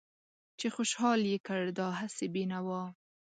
چې خوشحال يې کړ دا هسې بې نوا